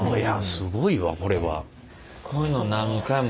すごいわこれは。